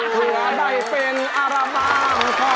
เพื่อได้เป็นอรบามของใครบ้าง